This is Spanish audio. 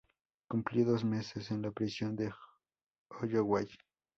Cumplió dos meses en la prisión de Holloway.